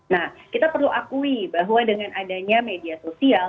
nah kita perlu akui bahwa dengan adanya media sosial